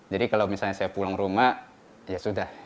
jadi kalau misalnya saya pulang rumah ya sudah